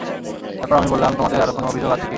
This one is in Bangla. তারপর আমি বললাম, তোমাদের আরো কোন অভিযোেগ আছে কি?